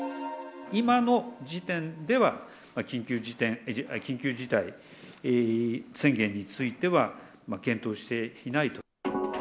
今の時点では、緊急事態宣言については検討していないと。